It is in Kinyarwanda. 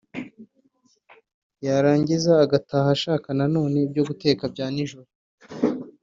yarangiza agataha ashaka na none ibyo guteka bya nijoro